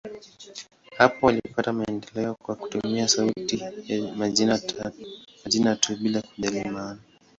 Hapo walipata maendeleo kwa kutumia sauti ya majina tu, bila kujali maana.